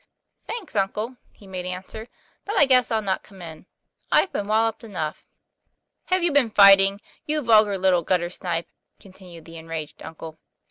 " Thanks, uncle," he made answer. " But I guess I'll not come in. I've been walloped enough." " Have you been fighting, you vulgar little gutter snipe ?' continued the enraged uncle.